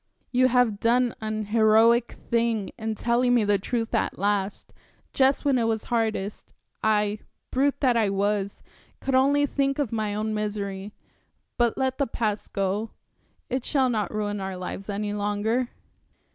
You had done an heroic thing in telling me the truth at last, just when it was hardest I brute that I was could only think of my own misery. But let the past go it shall not ruin our lives any longer."